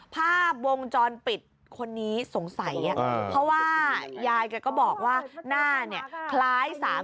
แต่ฉันไม่ได้ให้เขาดูเพราะพระงาช้าง